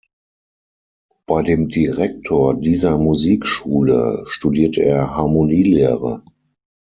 Bei dem Direktor dieser Musikschule studierte er Harmonielehre.